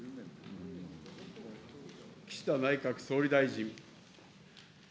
岸田内閣総理大臣。